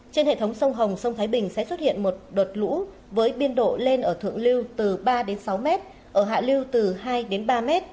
trên hệ thống sông hồng sông thái bình sẽ xuất hiện một đợt lũ với biên độ lên ở thượng lưu từ ba đến sáu m ở hạ lưu từ hai đến ba m